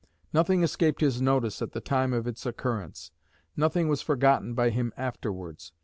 Nothing escaped his notice at the time of its occurrence: nothing was forgotten by him afterwards.